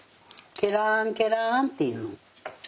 ケラーンケラーンって言うの。